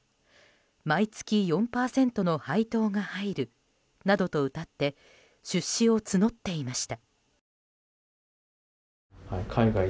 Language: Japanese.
毎月４％の配当が入るなどとうたって出資を募っていました。